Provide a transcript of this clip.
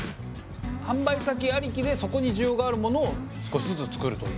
販売先ありきでそこに需要があるものを少しずつ作るという。